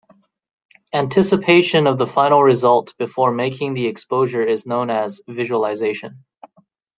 Anticipation of the final result before making the exposure is known as "visualization".